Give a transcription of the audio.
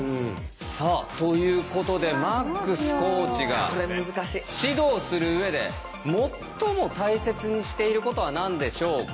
さあということでマックスコーチが指導するうえで最も大切にしていることは何でしょうか？